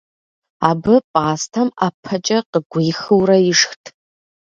Абы пӀастэм ӀэпэкӀэ къыгуихыурэ ишхт.